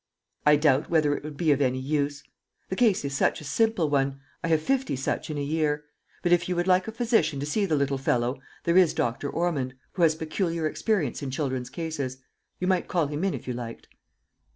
"I doubt whether it would be of any use. The case is such a simple one. I have fifty such in a year. But if you would like a physician to see the little fellow, there is Dr. Ormond, who has peculiar experience in children's cases. You might call him in, if you liked."